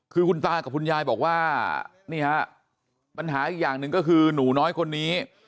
คือคุณตากับคุณยายบอกว่านี่ฮะปัญหาอีกอย่างหนึ่งก็คือหนูน้อยคนนี้